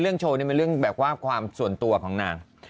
โชว์นี่เป็นเรื่องแบบว่าความส่วนตัวของนาง